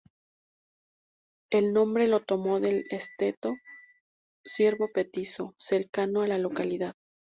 El nombre lo tomó del estero Ciervo Petiso, cercano a la localidad.